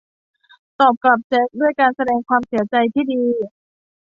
ตอบกลับแจ็คด้วยการแสดงความเสียใจที่ดี